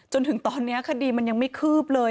จนถึงตอนนี้คดีมันยังไม่คืบเลย